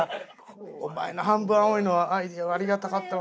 お前の『半分、青い。』のアイデアはありがたかったわ。